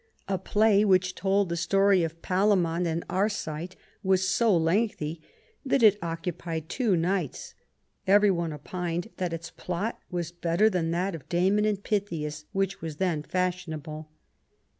A play which told the story of Palamon and Arcite was so lengthy that it occupied two nights ; every one opined that its plot was better than that of Damon and Pythias, which was then fashionable.